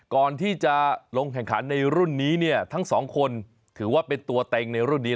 ก่อนที่จะลงแข่งขันในรุ่นนี้เนี่ยทั้งสองคนถือว่าเป็นตัวเต็งในรุ่นนี้